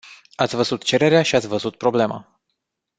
Ați văzut cererea și ați văzut problema.